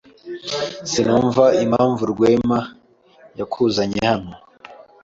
Sinumva impamvu Rwema yakuzanye hano.